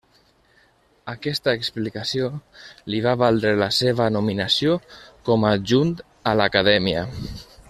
Aquesta explicació li va valdre la seva nominació com a adjunt a l'Acadèmia.